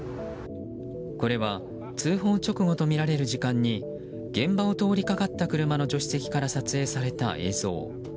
これは通報直後とみられる時間に現場を通りかかった車の助手席から撮影された映像。